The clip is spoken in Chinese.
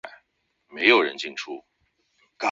叶头风毛菊为菊科风毛菊属的植物。